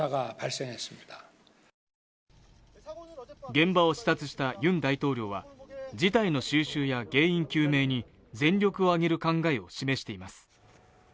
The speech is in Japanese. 現場を視察したユン大統領は、事態の収拾や原因究明に全力を挙げる考えを示しています。